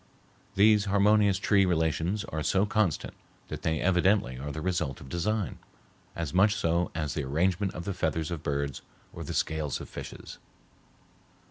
These harmonious tree relations are so constant that they evidently are the result of design, as much so as the arrangement of the feathers of birds or the scales of fishes.